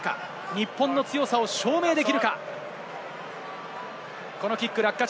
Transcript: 日本の強さを証明できるか？